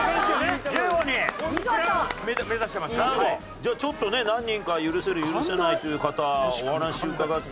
じゃあちょっとね何人か許せる許せないという方お話伺ってみましょうかね。